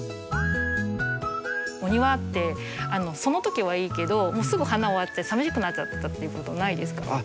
お庭ってその時はいいけどすぐ花終わってさみしくなっちゃったっていうことないですか？